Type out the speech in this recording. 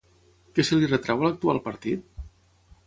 Què se li retreu a l'actual partit?